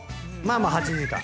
まあまあ８時間。